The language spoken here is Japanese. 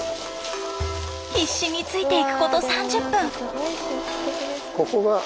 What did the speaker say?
必死についていくこと３０分。